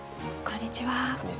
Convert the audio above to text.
こんにちは。